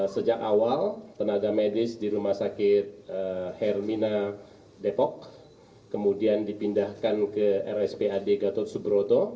sejak awal tenaga medis di rumah sakit hermina depok kemudian dipindahkan ke rspad gatot subroto